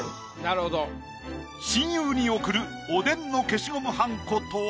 親友に贈るおでんの消しゴムはんことは？